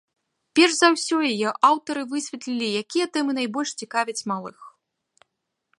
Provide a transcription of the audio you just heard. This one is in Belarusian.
Перш за ўсё яе аўтары высветлілі, якія тэмы найбольш цікавяць малых.